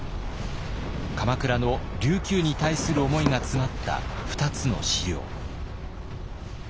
鎌倉の琉球に対する思いが詰まった２つの資料。